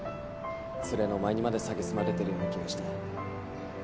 ツレのお前にまでさげすまれてるような気がして。